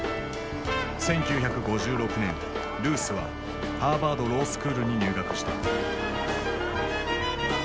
１９５６年ルースはハーバード・ロースクールに入学した。